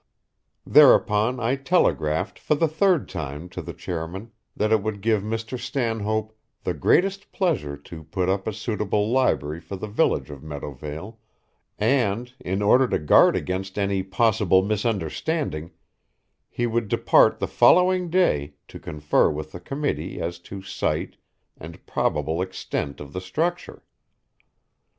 Thereupon I telegraphed for the third time to the chairman that it would give Mr. Stanhope the greatest pleasure to put up a suitable library for the village of Meadowvale, and, in order to guard against any possible misunderstanding, he would depart the following day to confer with the committee as to site and probable extent of the structure.